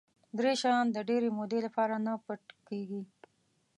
درې شیان د ډېرې مودې لپاره نه پټ کېږي.